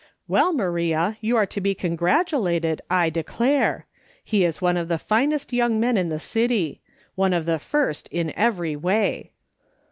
" "Well, Maria, you are to be congratulated, 1 declare ; he is one of the finest young men in tho city ; one of the first in every way."